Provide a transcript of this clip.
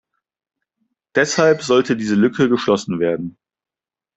Deshalb sollte diese Lücke geschlossen werden.